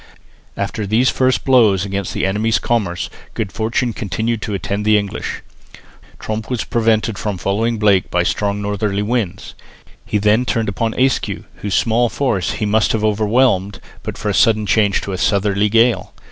After these first blows against the enemy's commerce good fortune continued to attend the English. Tromp was prevented from following Blake by strong northerly winds. He then turned upon Ayscue, whose small force he must have overwhelmed, but for a sudden change to a southerly gale.